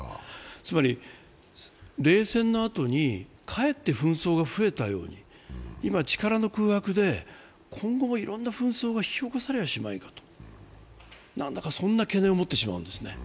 つまり、冷戦のあとにかえって紛争が増えたように、今、力の空白で今後もいろんな紛争が引き起こされはしまいかと、なんだか、そんな懸念を持ってしまうんですね。